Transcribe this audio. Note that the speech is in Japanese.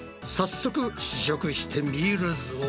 早速試食してみるぞ。